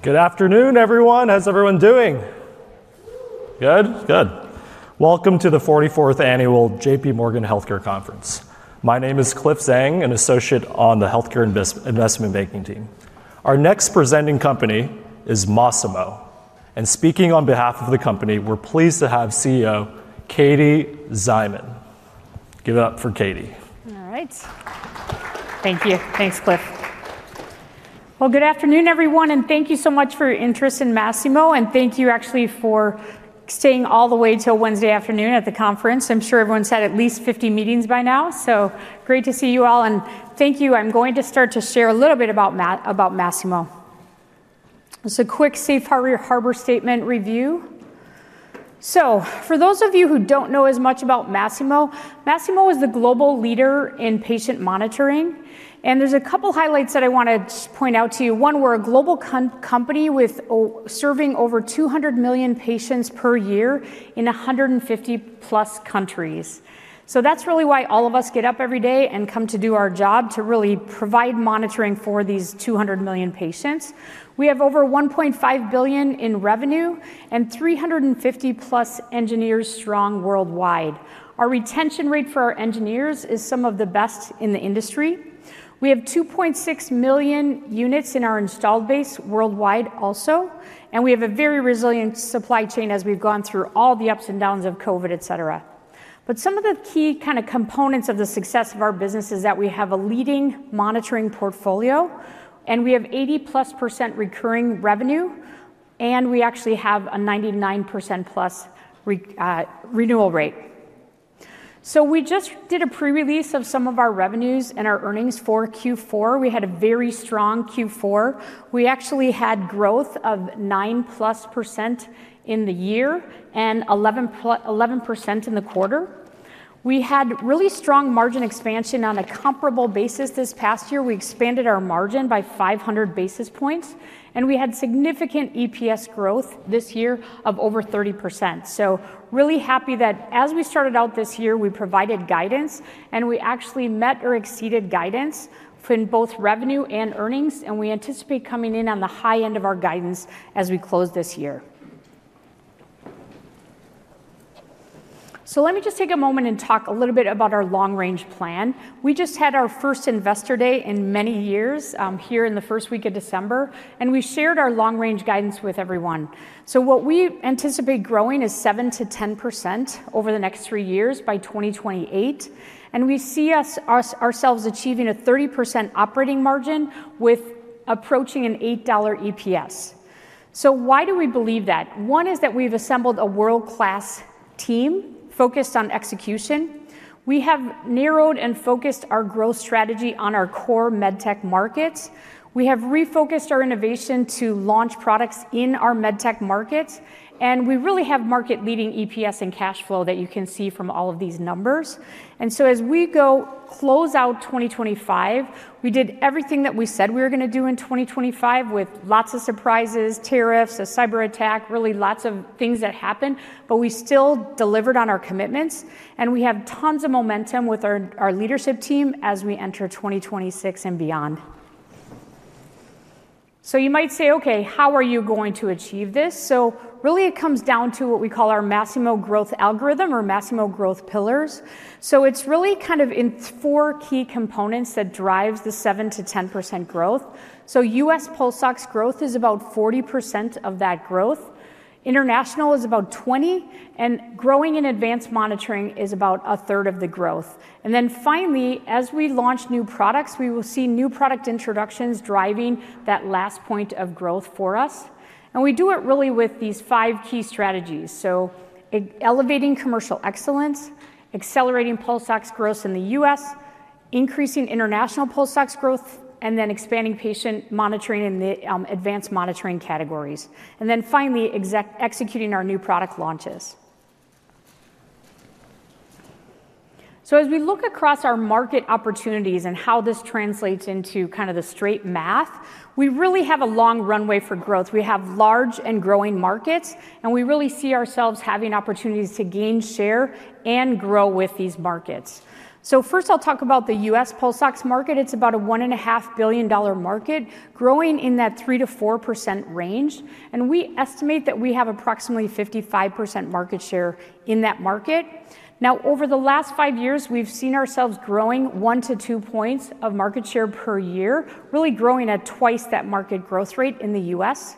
Good afternoon, everyone. How's everyone doing? Good? Good. Welcome to the 44th Annual J.P. Morgan Healthcare Conference. My name is Cliff Zhang, an associate on the Healthcare Investment Banking team. Our next presenting company is Masimo. And speaking on behalf of the company, we're pleased to have CEO Katie Szyman. Give it up for Katie. All right. Thank you. Thanks, Cliff. Well, good afternoon, everyone, and thank you so much for your interest in Masimo. And thank you, actually, for staying all the way till Wednesday afternoon at the conference. I'm sure everyone's had at least 50 meetings by now. So great to see you all. And thank you. I'm going to start to share a little bit about Masimo. It's a quick safe harbor statement review. So for those of you who don't know as much about Masimo, Masimo is the global leader in patient monitoring. And there's a couple of highlights that I want to point out to you. One, we're a global company serving over 200 million patients per year in 150+ countries. So that's really why all of us get up every day and come to do our job, to really provide monitoring for these 200 million patients. We have over $1.5 billion in revenue and 350+ engineers strong worldwide. Our retention rate for our engineers is some of the best in the industry. We have 2.6 million units in our installed base worldwide also. And we have a very resilient supply chain as we've gone through all the ups and downs of COVID, et cetera. But some of the key kind of components of the success of our business is that we have a leading monitoring portfolio, and we have 80+% recurring revenue, and we actually have a 99%+ renewal rate. So we just did a pre-release of some of our revenues and our earnings for Q4. We had a very strong Q4. We actually had growth of 9+% in the year and 11+% in the quarter. We had really strong margin expansion on a comparable basis this past year. We expanded our margin by 500 basis points, and we had significant EPS growth this year of over 30%. So really happy that as we started out this year, we provided guidance, and we actually met or exceeded guidance in both revenue and earnings. And we anticipate coming in on the high end of our guidance as we close this year. So let me just take a moment and talk a little bit about our long-range plan. We just had our first investor day in many years here in the first week of December, and we shared our long-range guidance with everyone. So what we anticipate growing is 7%-10% over the next three years by 2028. And we see ourselves achieving a 30% operating margin with approaching an $8 EPS. So why do we believe that? One is that we've assembled a world-class team focused on execution. We have narrowed and focused our growth strategy on our core med tech markets. We have refocused our innovation to launch products in our med tech markets, and we really have market-leading EPS and cash flow that you can see from all of these numbers, and so as we go close out 2025, we did everything that we said we were going to do in 2025 with lots of surprises, tariffs, a cyber attack, really lots of things that happened, but we still delivered on our commitments, and we have tons of momentum with our leadership team as we enter 2026 and beyond, so you might say, "Okay, how are you going to achieve this?" so really, it comes down to what we call our Masimo Growth Algorithm or Masimo Growth Pillars. So it's really kind of in four key components that drive the 7%-10% growth. So U.S. pulse ox growth is about 40% of that growth, international is about 20%, and growing in advanced monitoring is about a third of the growth, and then finally, as we launch new products, we will see new product introductions driving that last point of growth for us, and we do it really with these five key strategies, so elevating commercial excellence, accelerating pulse ox growth in the U.S., increasing international pulse ox growth, and then expanding patient monitoring in the advanced monitoring categories, and then finally, executing our new product launches, so as we look across our market opportunities and how this translates into kind of the straight math, we really have a long runway for growth. We have large and growing markets, and we really see ourselves having opportunities to gain share and grow with these markets, so first, I'll talk about the U.S. pulse ox market. It's about a $1.5 billion market, growing in that 3%-4% range. And we estimate that we have approximately 55% market share in that market. Now, over the last five years, we've seen ourselves growing 1-2 points of market share per year, really growing at twice that market growth rate in the U.S..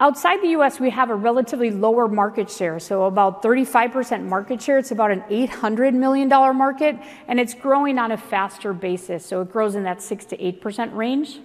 Outside the U.S., we have a relatively lower market share, so about 35% market share. It's about an $800 million market, and it's growing on a faster basis. So it grows in that 6%-8% range.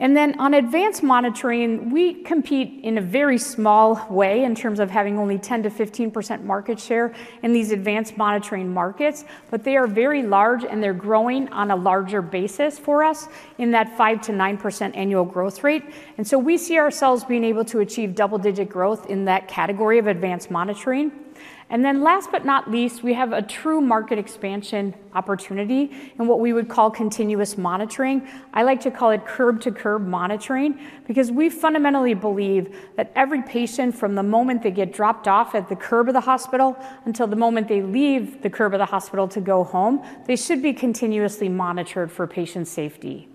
And then on advanced monitoring, we compete in a very small way in terms of having only 10%-15% market share in these advanced monitoring markets. But they are very large, and they're growing on a larger basis for us in that 5%-9% annual growth rate. And so we see ourselves being able to achieve double-digit growth in that category of advanced monitoring. And then last but not least, we have a true market expansion opportunity in what we would call continuous monitoring. I like to call it curb-to-curb monitoring because we fundamentally believe that every patient, from the moment they get dropped off at the curb of the hospital until the moment they leave the curb of the hospital to go home, they should be continuously monitored for patient safety.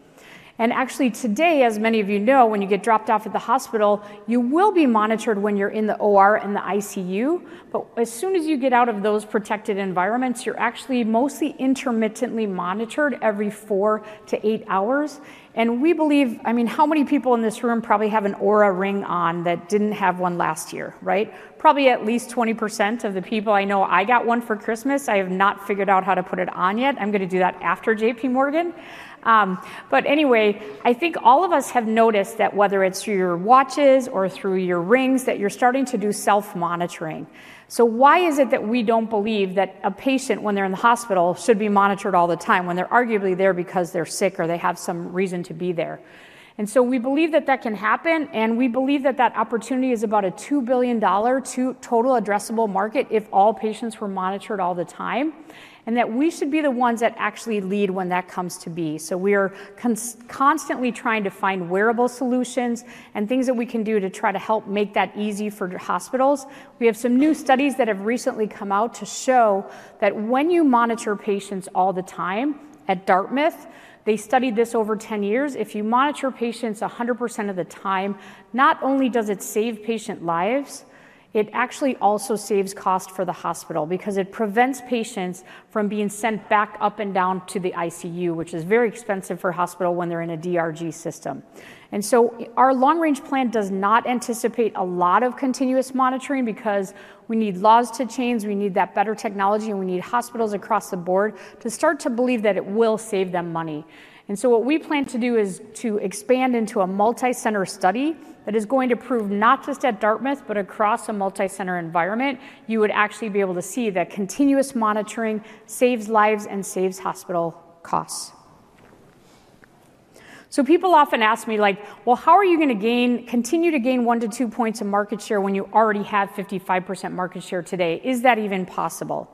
And actually, today, as many of you know, when you get dropped off at the hospital, you will be monitored when you're in the OR and the ICU. But as soon as you get out of those protected environments, you're actually mostly intermittently monitored every 4hours-8 hours. And we believe, I mean, how many people in this room probably have an Oura Ring on that didn't have one last year, right? Probably at least 20% of the people. I know I got one for Christmas. I have not figured out how to put it on yet. I'm going to do that after JPMorgan. But anyway, I think all of us have noticed that whether it's through your watches or through your rings, that you're starting to do self-monitoring. So why is it that we don't believe that a patient, when they're in the hospital, should be monitored all the time when they're arguably there because they're sick or they have some reason to be there? And so we believe that that can happen. And we believe that that opportunity is about a $2 billion total addressable market if all patients were monitored all the time, and that we should be the ones that actually lead when that comes to be. So we are constantly trying to find wearable solutions and things that we can do to try to help make that easy for hospitals. We have some new studies that have recently come out to show that when you monitor patients all the time at Dartmouth, they studied this over 10 years. If you monitor patients 100% of the time, not only does it save patient lives, it actually also saves cost for the hospital because it prevents patients from being sent back up and down to the ICU, which is very expensive for a hospital when they're in a DRG system. And so our long-range plan does not anticipate a lot of continuous monitoring because we need laws to change, we need that better technology, and we need hospitals across the board to start to believe that it will save them money. And so what we plan to do is to expand into a multi-center study that is going to prove not just at Dartmouth, but across a multi-center environment, you would actually be able to see that continuous monitoring saves lives and saves hospital costs. So people often ask me, like, "Well, how are you going to continue to gain 1-2 points of market share when you already have 55% market share today? Is that even possible?"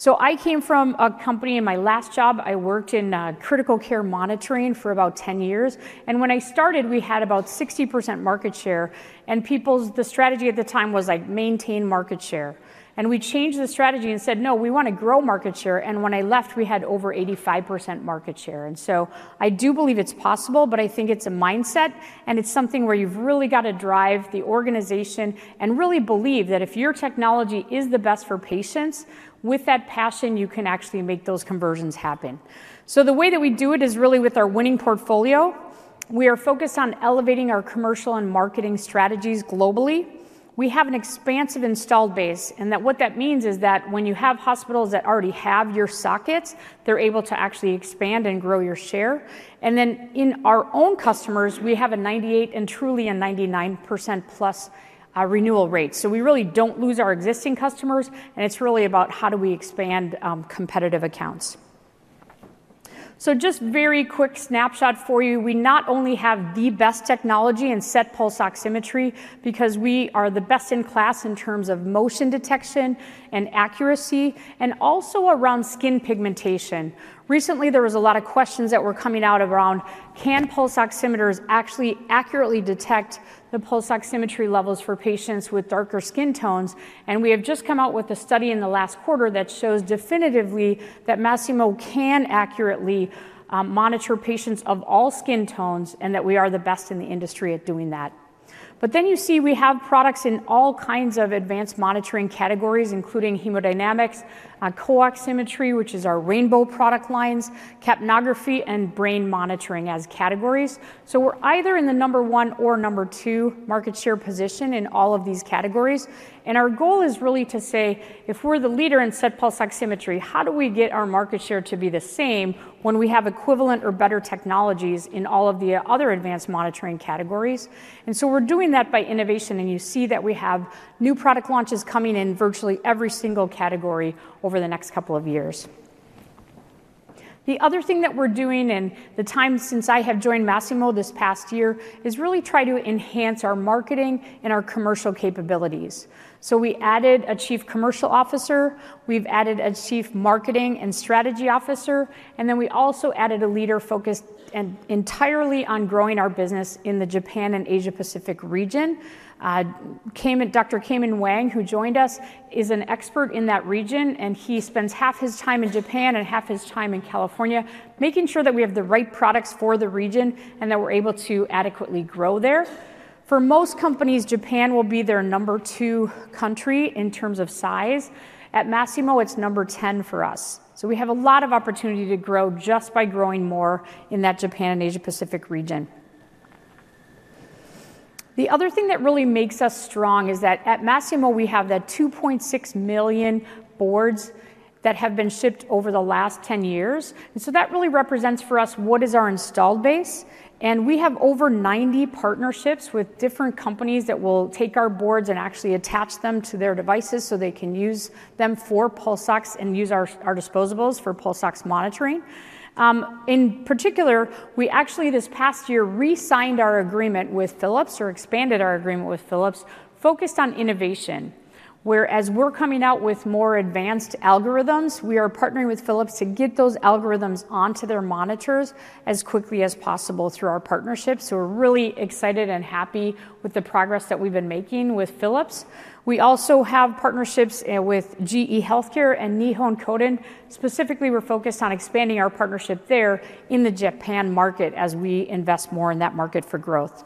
So I came from a company in my last job. I worked in critical care monitoring for about 10 years. And when I started, we had about 60% market share. And the strategy at the time was, like, maintain market share. And we changed the strategy and said, "No, we want to grow market share." And when I left, we had over 85% market share. And so I do believe it's possible, but I think it's a mindset, and it's something where you've really got to drive the organization and really believe that if your technology is the best for patients, with that passion, you can actually make those conversions happen. So the way that we do it is really with our winning portfolio. We are focused on elevating our commercial and marketing strategies globally. We have an expansive installed base. And what that means is that when you have hospitals that already have your sockets, they're able to actually expand and grow your share. And then in our own customers, we have a 98% and truly a 99%+ renewal rate. So we really don't lose our existing customers, and it's really about how do we expand competitive accounts. So just a very quick snapshot for you. We not only have the best technology in SET pulse oximetry because we are the best in class in terms of motion detection and accuracy, and also around skin pigmentation. Recently, there were a lot of questions that were coming out around, "Can pulse oximeters actually accurately detect the pulse oximetry levels for patients with darker skin tones?", and we have just come out with a study in the last quarter that shows definitively that Masimo can accurately monitor patients of all skin tones and that we are the best in the industry at doing that, but then you see we have products in all kinds of advanced monitoring categories, including hemodynamics, CO-oximetry, which is our Rainbow product lines, capnography, and brain monitoring as categories, so we're either in the number one or number two market share position in all of these categories. And our goal is really to say, "If we're the leader in SET pulse oximetry, how do we get our market share to be the same when we have equivalent or better technologies in all of the other advanced monitoring categories?" And so we're doing that by innovation. And you see that we have new product launches coming in virtually every single category over the next couple of years. The other thing that we're doing in the time since I have joined Masimo this past year is really try to enhance our marketing and our commercial capabilities. So we added a Chief Commercial Officer. We've added a Chief Marketing and Strategy Officer. And then we also added a leader focused entirely on growing our business in the Japan and Asia-Pacific region. Dr. Kian Wang, who joined us, is an expert in that region, and he spends half his time in Japan and half his time in California, making sure that we have the right products for the region and that we're able to adequately grow there. For most companies, Japan will be their number two country in terms of size. At Masimo, it's number 10 for us. So we have a lot of opportunity to grow just by growing more in that Japan and Asia-Pacific region. The other thing that really makes us strong is that at Masimo, we have that 2.6 million boards that have been shipped over the last 10 years. And so that really represents for us what is our installed base. We have over 90 partnerships with different companies that will take our boards and actually attach them to their devices so they can use them for pulse ox and use our disposables for pulse ox monitoring. In particular, we actually this past year re-signed our agreement with Philips or expanded our agreement with Philips, focused on innovation. Whereas we're coming out with more advanced algorithms, we are partnering with Philips to get those algorithms onto their monitors as quickly as possible through our partnership. We're really excited and happy with the progress that we've been making with Philips. We also have partnerships with GE Healthcare and Nihon Kohden. Specifically, we're focused on expanding our partnership there in the Japan market as we invest more in that market for growth.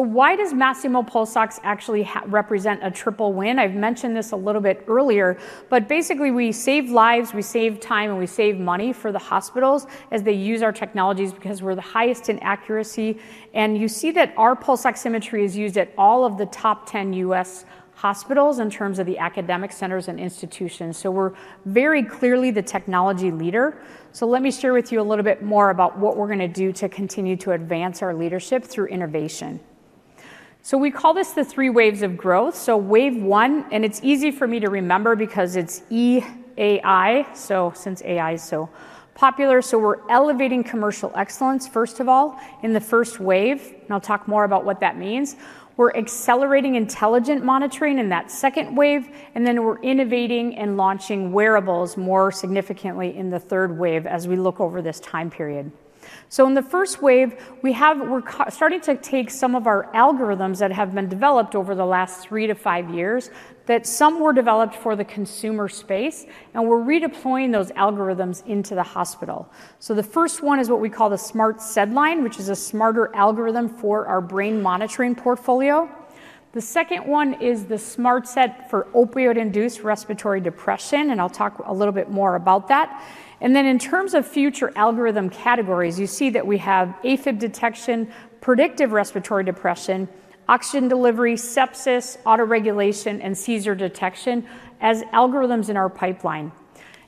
Why does Masimo pulse ox actually represent a triple win? I've mentioned this a little bit earlier, but basically, we save lives, we save time, and we save money for the hospitals as they use our technologies because we're the highest in accuracy, and you see that our pulse oximetry is used at all of the top 10 U.S. hospitals in terms of the academic centers and institutions, so we're very clearly the technology leader, so let me share with you a little bit more about what we're going to do to continue to advance our leadership through innovation, so we call this the three waves of growth, so wave one, and it's easy for me to remember because it's EAI, so since AI is so popular, so we're elevating commercial excellence, first of all, in the first wave, and I'll talk more about what that means. We're accelerating intelligent monitoring in that second wave. And then we're innovating and launching wearables more significantly in the third wave as we look over this time period. So in the first wave, we're starting to take some of our algorithms that have been developed over the last three to five years that some were developed for the consumer space, and we're redeploying those algorithms into the hospital. So the first one is what we call the SedLine, which is a smarter algorithm for our brain monitoring portfolio. The second one is the SedLine for opioid-induced respiratory depression, and I'll talk a little bit more about that. And then in terms of future algorithm categories, you see that we have AFib detection, predictive respiratory depression, oxygen delivery, sepsis, autoregulation, and seizure detection as algorithms in our pipeline.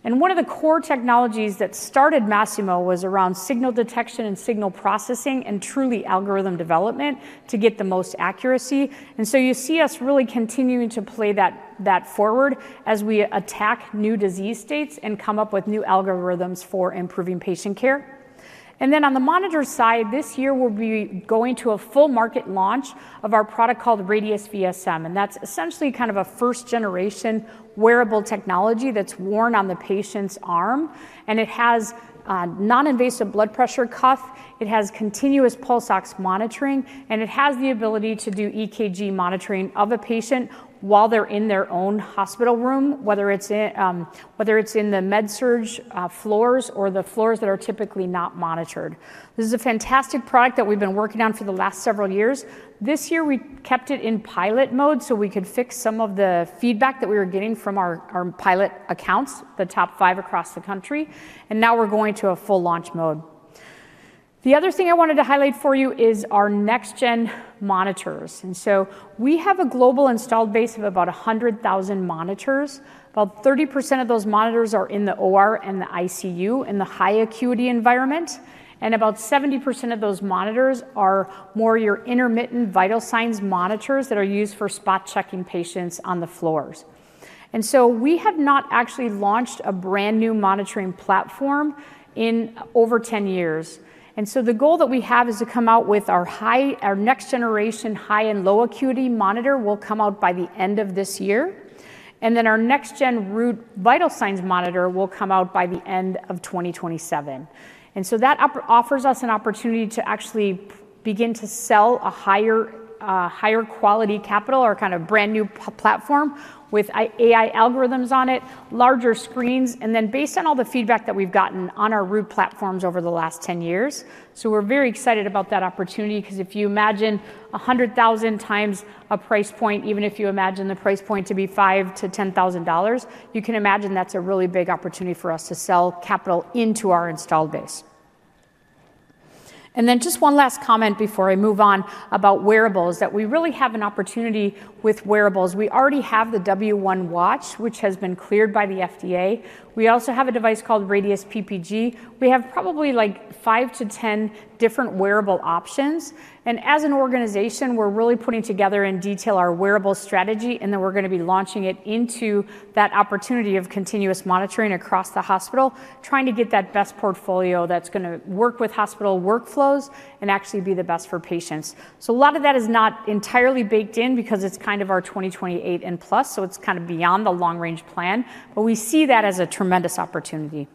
And one of the core technologies that started Masimo was around signal detection and signal processing and truly algorithm development to get the most accuracy. And so you see us really continuing to play that forward as we attack new disease states and come up with new algorithms for improving patient care. And then on the monitor side, this year, we'll be going to a full market launch of our product called Radius VSM. And that's essentially kind of a first-generation wearable technology that's worn on the patient's arm. And it has a non-invasive blood pressure cuff. It has continuous pulse ox monitoring, and it has the ability to do EKG monitoring of a patient while they're in their own hospital room, whether it's in the med-surg floors or the floors that are typically not monitored. This is a fantastic product that we've been working on for the last several years. This year, we kept it in pilot mode so we could fix some of the feedback that we were getting from our pilot accounts, the top five across the country, and now we're going to a full launch mode. The other thing I wanted to highlight for you is our next-gen monitors, and so we have a global installed base of about 100,000 monitors. About 30% of those monitors are in the OR and the ICU in the high acuity environment, and about 70% of those monitors are more your intermittent vital signs monitors that are used for spot checking patients on the floors, and so we have not actually launched a brand new monitoring platform in over 10 years. And so the goal that we have is to come out with our next-generation high and low acuity monitor. It will come out by the end of this year. Our next-gen Root vital signs monitor will come out by the end of 2027. That offers us an opportunity to actually begin to sell a higher quality capital or kind of brand new platform with AI algorithms on it, larger screens, and then based on all the feedback that we've gotten on our Root platforms over the last 10 years. We are very excited about that opportunity because if you imagine 100,000x a price point, even if you imagine the price point to be $5,000-$10,000, you can imagine that is a really big opportunity for us to sell capital into our installed base. Then just one last comment before I move on about wearables that we really have an opportunity with wearables. We already have the W1 Watch, which has been cleared by the FDA. We also have a device called Radius PPG. We have probably like five to 10 different wearable options. And as an organization, we're really putting together in detail our wearable strategy, and then we're going to be launching it into that opportunity of continuous monitoring across the hospital, trying to get that best portfolio that's going to work with hospital workflows and actually be the best for patients. So a lot of that is not entirely baked in because it's kind of our 2028 and plus, so it's kind of beyond the long-range plan. But we see that as a tremendous opportunity.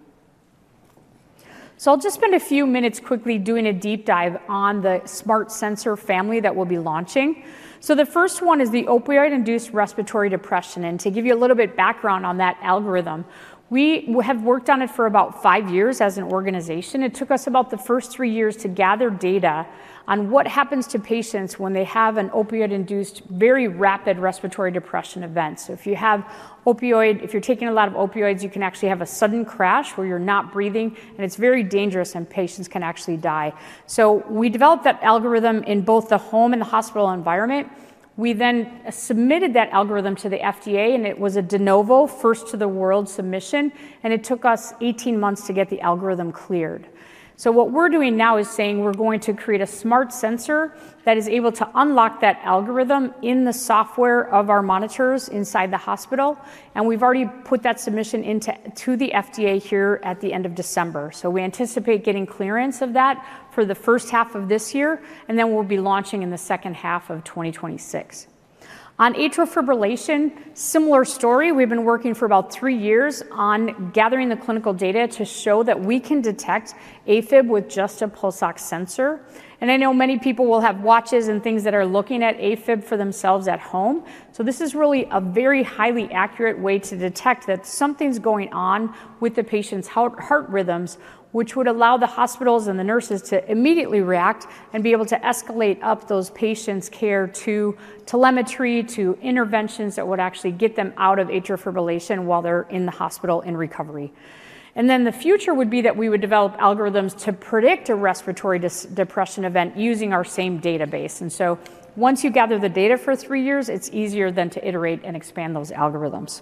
So I'll just spend a few minutes quickly doing a deep dive on the smart sensor family that we'll be launching. So the first one is the opioid-induced respiratory depression. And to give you a little bit of background on that algorithm, we have worked on it for about five years as an organization. It took us about the first three years to gather data on what happens to patients when they have an opioid-induced very rapid respiratory depression event. So if you have opioid, if you're taking a lot of opioids, you can actually have a sudden crash where you're not breathing, and it's very dangerous, and patients can actually die. So we developed that algorithm in both the home and the hospital environment. We then submitted that algorithm to the FDA, and it was a de novo, first to the world submission, and it took us 18 months to get the algorithm cleared. So what we're doing now is saying we're going to create a smart sensor that is able to unlock that algorithm in the software of our monitors inside the hospital. And we've already put that submission into the FDA here at the end of December. So we anticipate getting clearance of that for the first half of this year, and then we'll be launching in the second half of 2026. On atrial fibrillation, similar story. We've been working for about three years on gathering the clinical data to show that we can detect AFib with just a pulse ox sensor. And I know many people will have watches and things that are looking at AFib for themselves at home. So this is really a very highly accurate way to detect that something's going on with the patient's heart rhythms, which would allow the hospitals and the nurses to immediately react and be able to escalate up those patients' care to telemetry, to interventions that would actually get them out of atrial fibrillation while they're in the hospital in recovery. And then the future would be that we would develop algorithms to predict a respiratory depression event using our same database. And so once you gather the data for three years, it's easier then to iterate and expand those algorithms.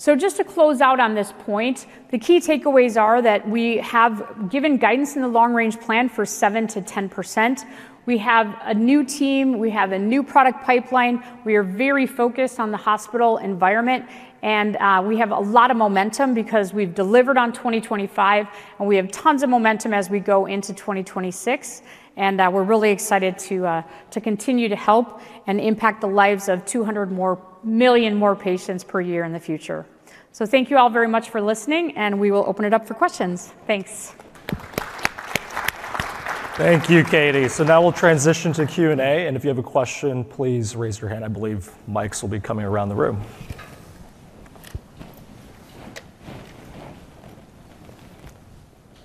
So just to close out on this point, the key takeaways are that we have given guidance in the long-range plan for 7%-10%. We have a new team. We have a new product pipeline. We are very focused on the hospital environment, and we have a lot of momentum because we've delivered on 2025, and we have tons of momentum as we go into 2026, and we're really excited to continue to help and impact the lives of 200 million more patients per year in the future, so thank you all very much for listening, and we will open it up for questions. Thanks. Thank you, Katie. So now we'll transition to Q&A, and if you have a question, please raise your hand. I believe mics will be coming around the room.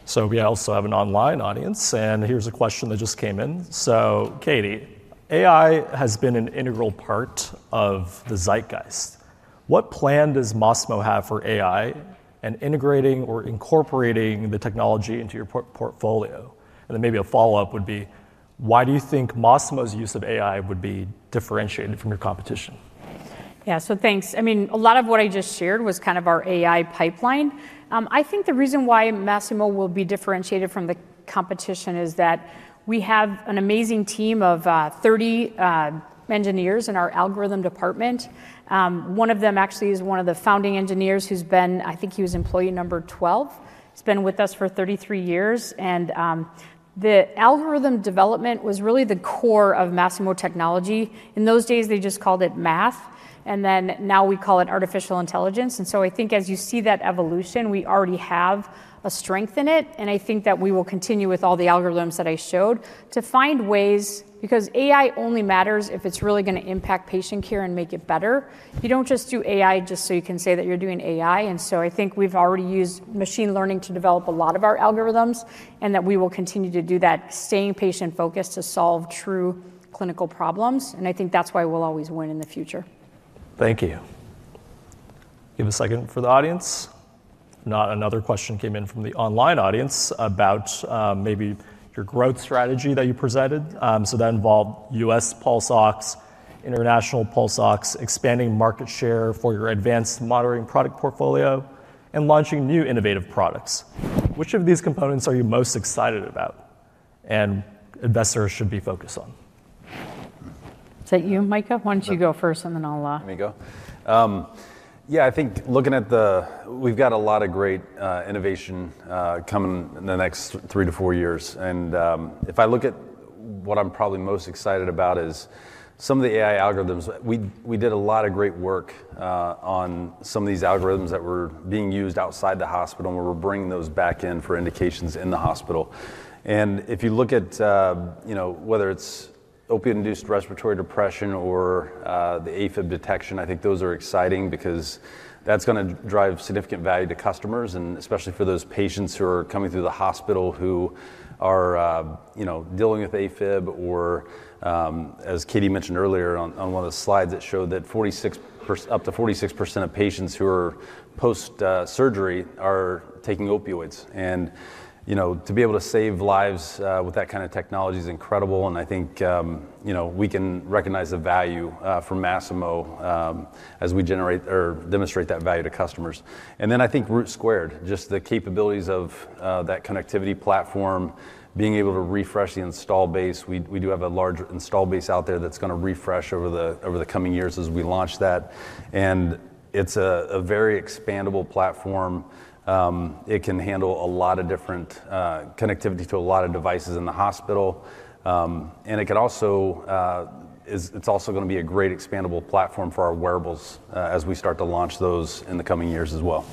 So we also have an online audience, and here's a question that just came in. So, Katie, AI has been an integral part of the zeitgeist. What plan does Masimo have for AI and integrating or incorporating the technology into your portfolio? And then maybe a follow-up would be, why do you think Masimo's use of AI would be differentiated from your competition? Yeah, so thanks. I mean, a lot of what I just shared was kind of our AI pipeline. I think the reason why Masimo will be differentiated from the competition is that we have an amazing team of 30 engineers in our algorithm department. One of them actually is one of the founding engineers who's been; I think he was employee number 12. He's been with us for 33 years, and the algorithm development was really the core of Masimo technology. In those days, they just called it math, and then now we call it artificial intelligence, and so I think as you see that evolution, we already have a strength in it, and I think that we will continue with all the algorithms that I showed to find ways because AI only matters if it's really going to impact patient care and make it better. You don't just do AI just so you can say that you're doing AI, and so I think we've already used machine learning to develop a lot of our algorithms and that we will continue to do that, staying patient-focused to solve true clinical problems, and I think that's why we'll always win in the future. Thank you. Give a second for the audience. Another question came in from the online audience about maybe your growth strategy that you presented. So that involved U.S. pulse ox, international pulse ox, expanding market share for your advanced monitoring product portfolio, and launching new innovative products. Which of these components are you most excited about and investors should be focused on? Is that you, Micah? Why don't you go first, and then I'll... Let me go. Yeah, I think looking at the, we've got a lot of great innovation coming in the next three to four years. And if I look at what I'm probably most excited about is some of the AI algorithms. We did a lot of great work on some of these algorithms that were being used outside the hospital, and we were bringing those back in for indications in the hospital. And if you look at whether it's opioid-induced respiratory depression or the AFib detection, I think those are exciting because that's going to drive significant value to customers, and especially for those patients who are coming through the hospital who are dealing with AFib or, as Katie mentioned earlier on one of the slides, it showed that up to 46% of patients who are post-surgery are taking opioids. And to be able to save lives with that kind of technology is incredible. And I think we can recognize the value for Masimo as we demonstrate that value to customers. And then I think Root Squared, just the capabilities of that connectivity platform, being able to refresh the install base. We do have a large install base out there that's going to refresh over the coming years as we launch that. And it's a very expandable platform. It can handle a lot of different connectivity to a lot of devices in the hospital. And it's also going to be a great expandable platform for our wearables as we start to launch those in the coming years as well.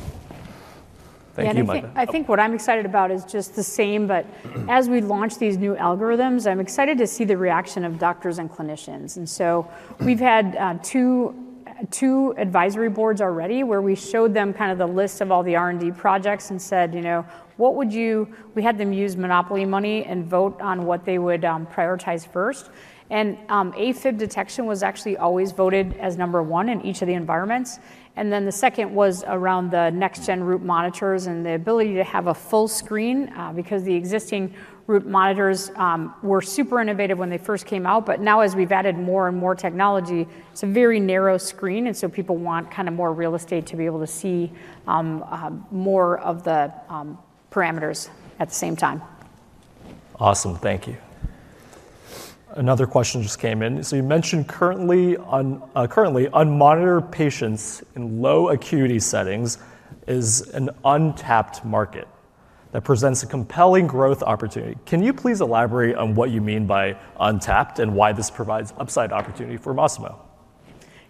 Thank you, Micah. I think what I'm excited about is just the same, but as we launch these new algorithms, I'm excited to see the reaction of doctors and clinicians. And so we've had two advisory boards already where we showed them kind of the list of all the R&D projects and said, "What would you?" We had them use Monopoly money and vote on what they would prioritize first. And AFib detection was actually always voted as number one in each of the environments. And then the second was around the next-gen Root monitors and the ability to have a full screen because the existing Root monitors were super innovative when they first came out. But now, as we've added more and more technology, it's a very narrow screen, and so people want kind of more real estate to be able to see more of the parameters at the same time. Awesome. Thank you. Another question just came in. So you mentioned currently unmonitored patients in low acuity settings is an untapped market that presents a compelling growth opportunity. Can you please elaborate on what you mean by untapped and why this provides upside opportunity for Masimo?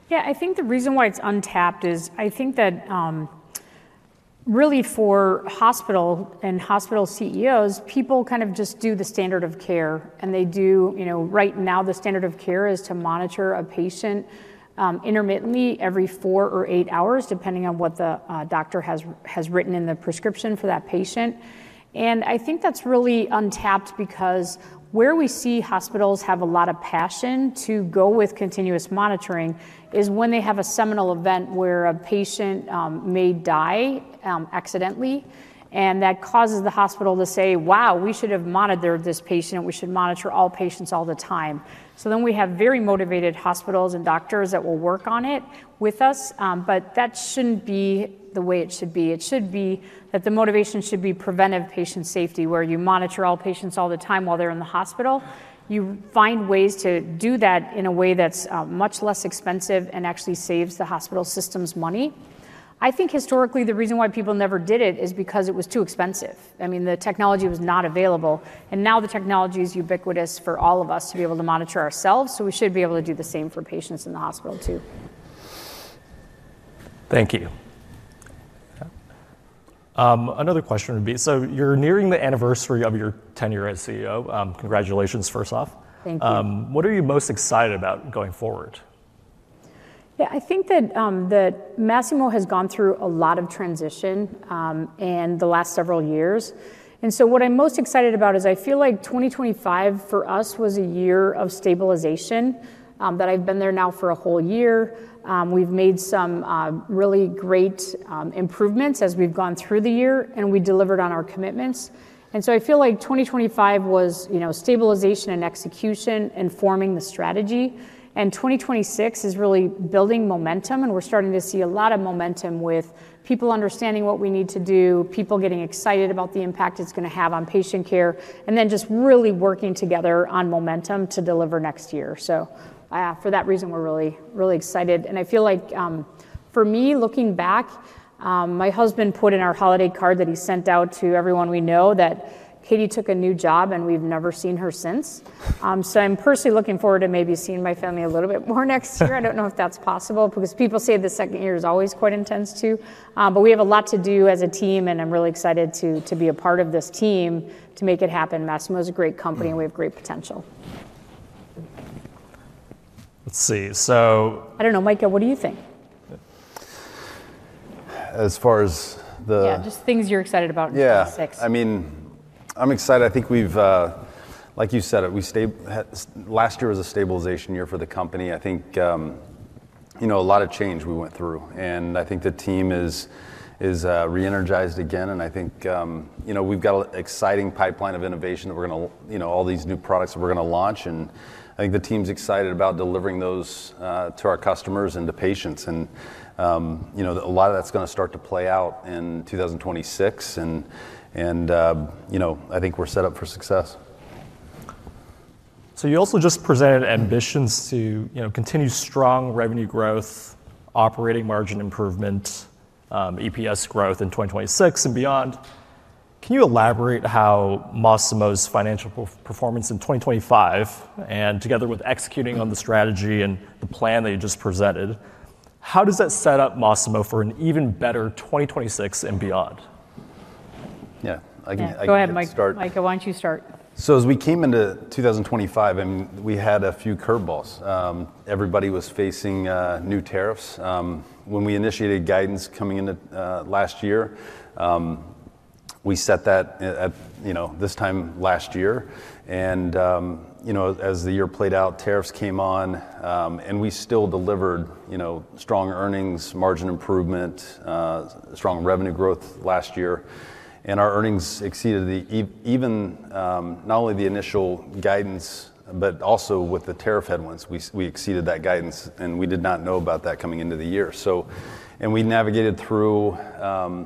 Yeah, I think the reason why it's untapped is I think that really for hospital and hospital CEOs, people kind of just do the standard of care, and right now, the standard of care is to monitor a patient intermittently every four or eight hours, depending on what the doctor has written in the prescription for that patient, and I think that's really untapped because where we see hospitals have a lot of passion to go with continuous monitoring is when they have a seminal event where a patient may die accidentally, and that causes the hospital to say, "Wow, we should have monitored this patient, and we should monitor all patients all the time," so then we have very motivated hospitals and doctors that will work on it with us, but that shouldn't be the way it should be. It should be that the motivation should be preventive patient safety where you monitor all patients all the time while they're in the hospital. You find ways to do that in a way that's much less expensive and actually saves the hospital system's money. I think historically, the reason why people never did it is because it was too expensive. I mean, the technology was not available, and now the technology is ubiquitous for all of us to be able to monitor ourselves, so we should be able to do the same for patients in the hospital too. Thank you. Another question would be, so you're nearing the anniversary of your tenure as CEO. Congratulations, first off. Thank you. What are you most excited about going forward? Yeah, I think that Masimo has gone through a lot of transition in the last several years, and so what I'm most excited about is I feel like 2025 for us was a year of stabilization that I've been there now for a whole year. We've made some really great improvements as we've gone through the year, and we delivered on our commitments, and so I feel like 2025 was stabilization and execution and forming the strategy. And 2026 is really building momentum, and we're starting to see a lot of momentum with people understanding what we need to do, people getting excited about the impact it's going to have on patient care, and then just really working together on momentum to deliver next year. So for that reason, we're really, really excited. And I feel like for me, looking back, my husband put in our holiday card that he sent out to everyone we know that Katie took a new job, and we've never seen her since. So I'm personally looking forward to maybe seeing my family a little bit more next year. I don't know if that's possible because people say the second year is always quite intense too. But we have a lot to do as a team, and I'm really excited to be a part of this team to make it happen. Masimo is a great company, and we have great potential. Let's see. So. I don't know, Micah, what do you think? As far as the. Yeah, just things you're excited about in 2026. Yeah, I mean, I'm excited. I think we've, like you said, last year was a stabilization year for the company. I think a lot of change we went through, and I think the team is re-energized again. And I think we've got an exciting pipeline of innovation that we're going to, all these new products that we're going to launch. And I think the team's excited about delivering those to our customers and to patients. And a lot of that's going to start to play out in 2026, and I think we're set up for success. You also just presented ambitions to continue strong revenue growth, operating margin improvement, EPS growth in 2026 and beyond. Can you elaborate how Masimo's financial performance in 2025, and together with executing on the strategy and the plan that you just presented, how does that set up Masimo for an even better 2026 and beyond? Yeah, I can start. Go ahead, Micah. Micah, why don't you start? So as we came into 2025, we had a few curveballs. Everybody was facing new tariffs. When we initiated guidance coming into last year, we set that this time last year. And as the year played out, tariffs came on, and we still delivered strong earnings, margin improvement, strong revenue growth last year. And our earnings exceeded not only the initial guidance, but also with the tariff headwinds, we exceeded that guidance, and we did not know about that coming into the year. And we navigated through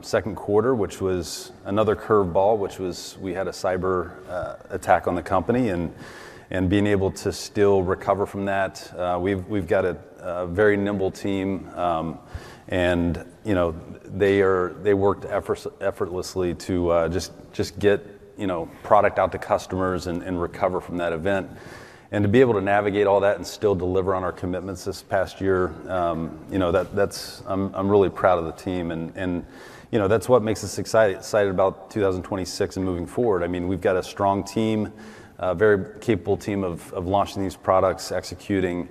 second quarter, which was another curveball, which was we had a cyber attack on the company. And being able to still recover from that, we've got a very nimble team, and they worked effortlessly to just get product out to customers and recover from that event. To be able to navigate all that and still deliver on our commitments this past year, I'm really proud of the team, and that's what makes us excited about 2026 and moving forward. I mean, we've got a strong team, a very capable team of launching these products, executing.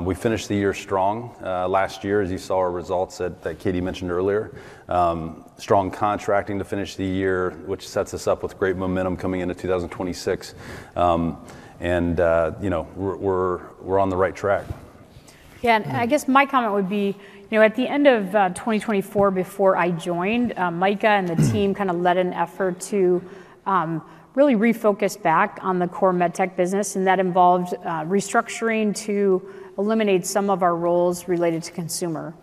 We finished the year strong last year, as you saw our results that Katie mentioned earlier. Strong contracting to finish the year, which sets us up with great momentum coming into 2026, and we're on the right track. Yeah, and I guess my comment would be at the end of 2024, before I joined, Micah and the team kind of led an effort to really refocus back on the core medtech business, and that involved restructuring to eliminate some of our roles related to consumer,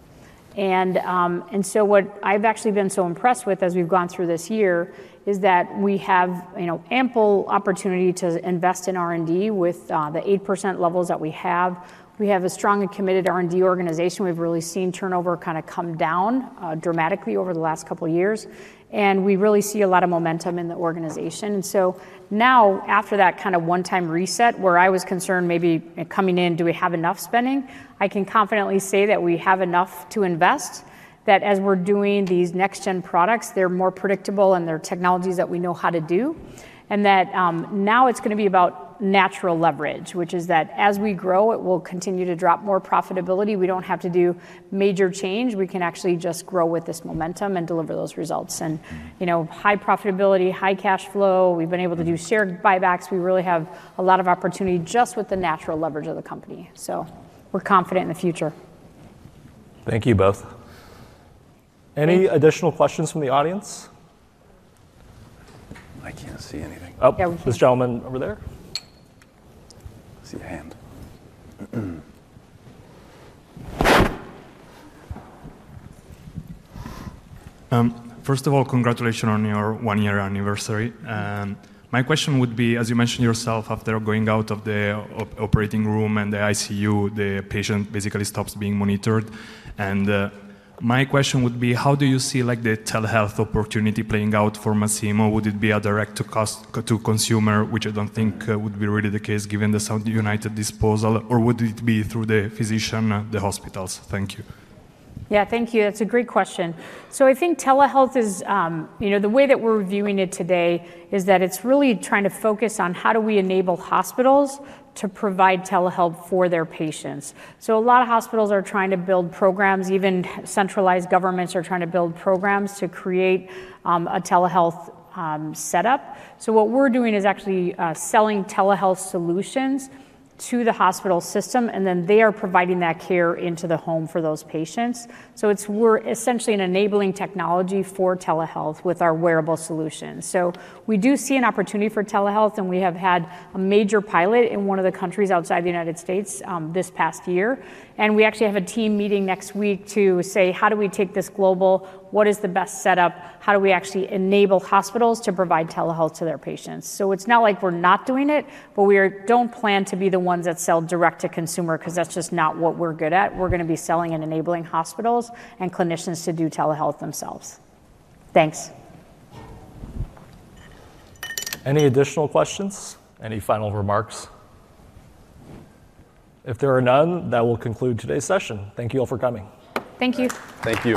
and so what I've actually been so impressed with as we've gone through this year is that we have ample opportunity to invest in R&D with the 8% levels that we have. We have a strong and committed R&D organization. We've really seen turnover kind of come down dramatically over the last couple of years, and we really see a lot of momentum in the organization. And so now, after that kind of one-time reset where I was concerned maybe coming in, do we have enough spending, I can confidently say that we have enough to invest, that as we're doing these next-gen products, they're more predictable and they're technologies that we know how to do, and that now it's going to be about natural leverage, which is that as we grow, it will continue to drive more profitability. We don't have to do major change. We can actually just grow with this momentum and deliver those results. And high profitability, high cash flow, we've been able to do share buybacks. We really have a lot of opportunity just with the natural leverage of the company. So we're confident in the future. Thank you both. Any additional questions from the audience? I can't see anything. Oh, this gentleman over there? I see a hand. First of all, congratulations on your one-year anniversary. My question would be, as you mentioned yourself, after going out of the operating room and the ICU, the patient basically stops being monitored. And my question would be, how do you see the telehealth opportunity playing out for Masimo? Would it be a direct-to-consumer, which I don't think would be really the case given the Sound United disposal, or would it be through the physician, the hospitals? Thank you. Yeah, thank you. That's a great question. So I think telehealth is the way that we're viewing it today is that it's really trying to focus on how do we enable hospitals to provide telehealth for their patients. So a lot of hospitals are trying to build programs. Even centralized governments are trying to build programs to create a telehealth setup. So what we're doing is actually selling telehealth solutions to the hospital system, and then they are providing that care into the home for those patients. So we're essentially enabling technology for telehealth with our wearable solutions. So we do see an opportunity for telehealth, and we have had a major pilot in one of the countries outside the United States this past year, and we actually have a team meeting next week to say, how do we take this global? What is the best setup? How do we actually enable hospitals to provide telehealth to their patients? So it's not like we're not doing it, but we don't plan to be the ones that sell direct-to-consumer because that's just not what we're good at. We're going to be selling and enabling hospitals and clinicians to do telehealth themselves. Thanks. Any additional questions? Any final remarks? If there are none, that will conclude today's session. Thank you all for coming. Thank you. Thank you.